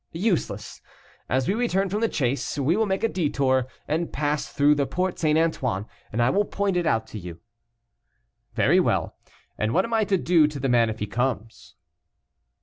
"Useless; as we return from the chase, we will make a detour, and pass through the Porte St. Antoine, and I will point it out to you." "Very well, and what am I to do to the man if he comes?"